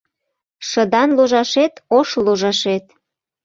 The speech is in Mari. Шыдан ложашет — ош ложашет